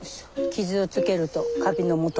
傷をつけるとカビのもと。